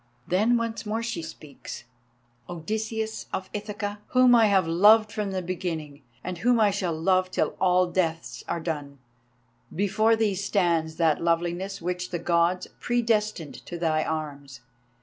Then once more she speaks: "Odysseus of Ithaca, whom I have loved from the beginning, and whom I shall love till all deaths are done, before thee stands that Loveliness which the Gods predestined to thy arms.